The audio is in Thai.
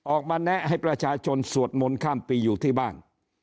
แนะให้ประชาชนสวดมนต์ข้ามปีอยู่ที่บ้าน